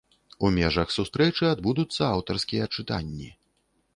У межах сустрэчы адбудуцца аўтарскія чытанні.